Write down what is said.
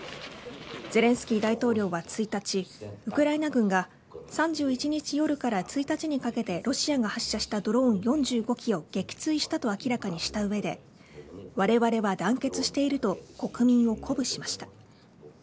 ゼレンスキー大統領は１日ウクライナ軍が３１日夜から１日にかけてロシアが発射したドローン４５機を撃墜したと明らかにした上でわれわれは団結していると国民を鼓舞しました。